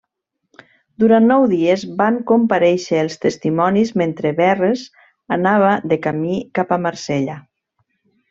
Durant nou dies van comparèixer els testimonis mentre Verres anava de camí cap a Marsella.